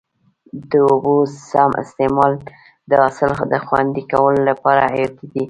د اوبو سم استعمال د حاصل د خوندي کولو لپاره حیاتي دی.